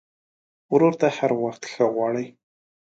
ورور ته هر وخت ښه غواړې.